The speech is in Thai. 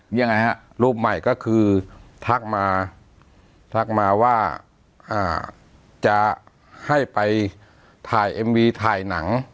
ยังไงฮะรูปใหม่ก็คือทักมาทักมาว่าจะให้ไปถ่ายเอ็มวีถ่ายหนัง